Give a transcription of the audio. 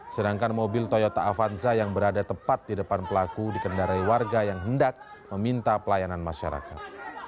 sedangkan mobil toyota avanza yang berada tepat di depan pelaku dikendarai warga yang hendak meminta pelayanan masyarakat